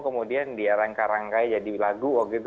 kemudian dia rangka rangkai jadi lagu